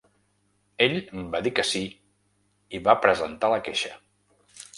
Ell va dir que sí i va presentar la queixa.